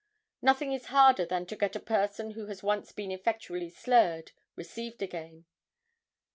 Nothing is harder than to get a person who has once been effectually slurred, received again.